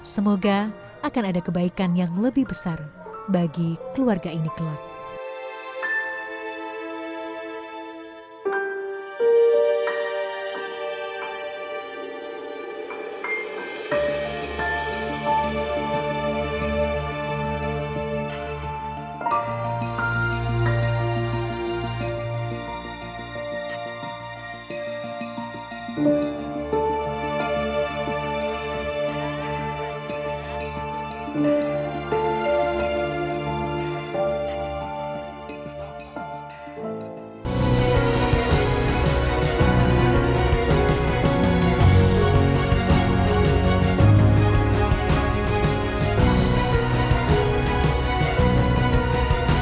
semoga akan ada kebaikan yang lebih besar bagi keluarga ini kelab